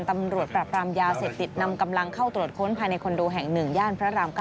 ตำรวจปรับรามยาเสพติดนำกำลังเข้าตรวจค้นภายในคอนโดแห่ง๑ย่านพระราม๙